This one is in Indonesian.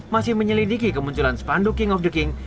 masih menyelidiki kemunculan spanduk king of the king